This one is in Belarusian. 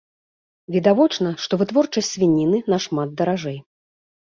Відавочна, што вытворчасць свініны нашмат даражэй.